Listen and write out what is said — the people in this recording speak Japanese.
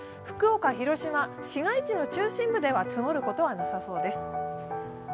福岡、広島、市街地の中心部では積もることはなさそうです。